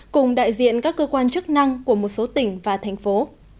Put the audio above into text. cùng đại diện các cơ quan chức năng của một số tỉnh và thành phố